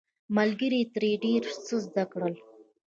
ملګرو یې ترې ډیر څه زده کړل.